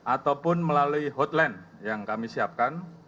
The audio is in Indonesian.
ataupun melalui hotline yang kami siapkan